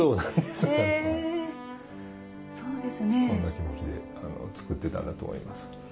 そんな気持ちで作ってたんだと思います。